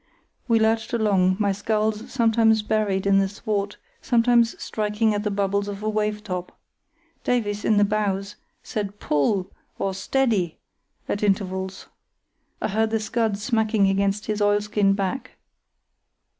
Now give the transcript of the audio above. We lurched along, my scull sometimes buried to the thwart, sometimes striking at the bubbles of a wave top. Davies, in the bows, said "Pull!" or "Steady!" at intervals. I heard the scud smacking against his oilskin back.